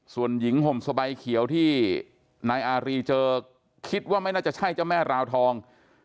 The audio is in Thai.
ส่วนหญิงห่มสบายเขียวที่นายอารีเจอคิดว่าไม่น่าจะใช่เจ้าแม่ราวทอง